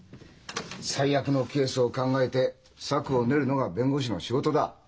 最悪のケースを考えて策を練るのが弁護士の仕事だ。